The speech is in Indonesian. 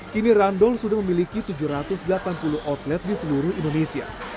kini randol sudah memiliki tujuh ratus delapan puluh outlet di seluruh indonesia